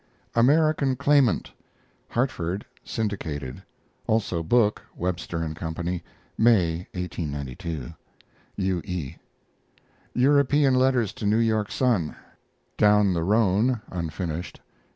AMERICAN CLAIMANT (Hartford) syndicated; also book (Webster & Co.), May, 1892. U. E. European letters to New York Sun. DOWN THE RHONE (unfinished).